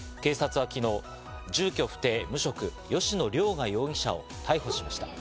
警察は昨日、住居不定無職・吉野凌雅容疑者を逮捕しました。